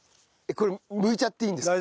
これむいちゃっていいんですか？